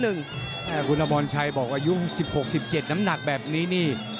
คุณอมรชัยบอกอายุ๑๖๑๗น้ำหนักแบบนี้นี่